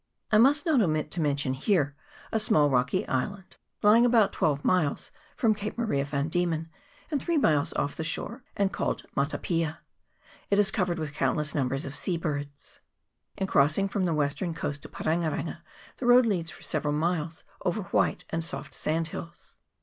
I must not omit to mention here a small rocky island, lying about twelve miles from Cape Maria CHAP. XII.] ENCROACHING SANDS. 207 van Diemen, and three miles off the shore, and called Matapia. It is covered with countless numbers of sea birds. In crossing from the western coast to Parenga renga the road leads for several miles over white and soft sand hills.